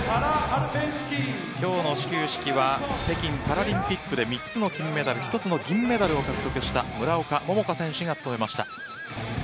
今日の始球式は北京パラリンピックで３つの金メダル１つの銀メダルを獲得した村岡桃佳選手が務めました。